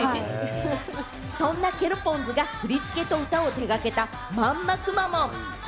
そんなケロポズが振り付けと歌を手がけた『まんまくまモン』。